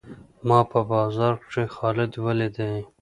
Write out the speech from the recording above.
ما په بازار کښي خالد وليدئ.